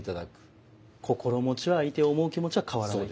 心持ちは相手を思う気持ちは変わらないと。